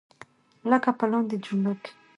لکه په لاندې جملو کې.